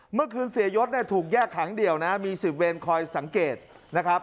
เมื่อคืนเสียยศเนี่ยถูกแยกขังเดี่ยวนะมี๑๐เวรคอยสังเกตนะครับ